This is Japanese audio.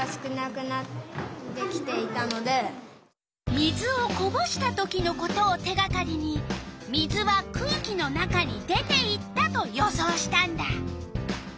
水をこぼした時のことを手がかりに水は空気の中に出ていったと予想したんだ。